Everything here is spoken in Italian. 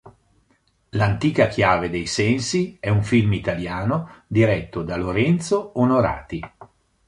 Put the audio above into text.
L'antica chiave dei sensi è un film italiano diretto da Lorenzo Onorati.